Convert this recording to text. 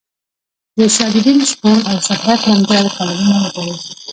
د سعدالدین شپون او شهرت ننګیال کالمونه وګورئ.